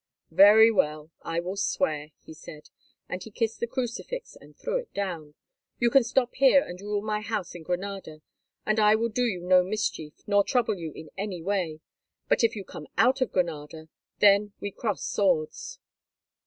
"Very well, I will swear," he said, and he kissed the crucifix and threw it down, "You can stop here and rule my house in Granada, and I will do you no mischief, nor trouble you in any way. But if you come out of Granada, then we cross swords."